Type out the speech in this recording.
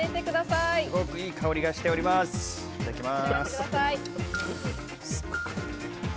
いただきます。